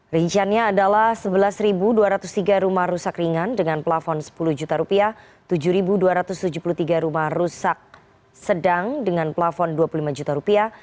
rinciannya adalah sebelas dua ratus tiga rumah rusak ringan dengan plafon sepuluh tujuh dua ratus tujuh puluh tiga rumah rusak sedang dengan plafon dua puluh lima juta rupiah